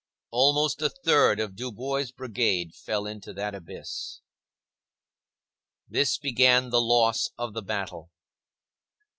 Almost a third of Dubois's brigade fell into that abyss. This began the loss of the battle.